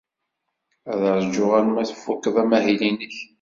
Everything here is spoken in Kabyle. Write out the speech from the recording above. Ad ṛjuɣ arma tfuked amahil-nnek.